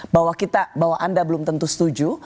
bahwa kita bahwa anda belum tentu setuju